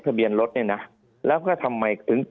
ภารกิจสรรค์ภารกิจสรรค์